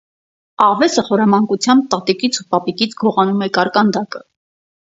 Աղվեսը խորամանկությամբ տատիկից ու պապիկից գողանում է կարկանդակը։